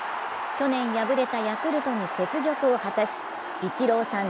去年敗れたヤクルトに雪辱を果たしイチローさん